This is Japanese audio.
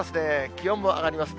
気温も上がります。